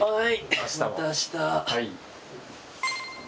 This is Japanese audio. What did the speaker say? はい。